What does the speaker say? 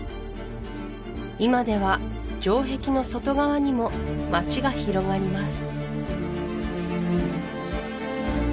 今では城壁の外側にも街が広がります